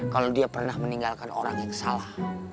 kalau dia pernah meninggalkan orang yang salah